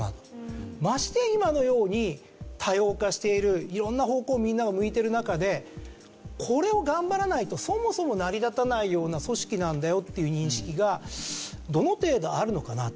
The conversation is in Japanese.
ましてや今のように多様化している色んな方向をみんなが向いてる中でこれを頑張らないとそもそも成り立たないような組織なんだよっていう認識がどの程度あるのかなと。